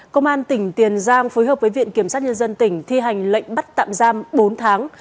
công an tỉnh tiền giang phối hợp với viện kiểm sát nhân dân tỉnh thi hành lệnh bắt tạm giam bốn tháng